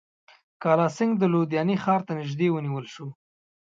کالاسینګهـ د لودیانې ښار ته نیژدې ونیول شو.